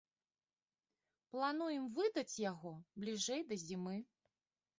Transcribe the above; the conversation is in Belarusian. Плануем выдаць яго бліжэй да зімы.